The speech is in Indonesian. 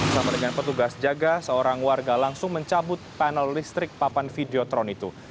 sama dengan petugas jaga seorang warga langsung mencabut panel listrik papan videotron itu